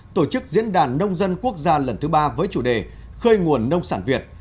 tổ chức diễn đàn nông dân quốc gia lần thứ ba với chủ đề khơi nguồn nông sản việt